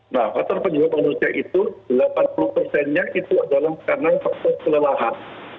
nah faktor penyebab manusia itu delapan puluh persennya itu adalah karena faktor kelelahan